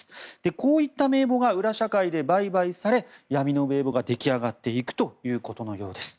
こういった名簿が裏社会で売買され闇の名簿が出来上がっていくということのようです。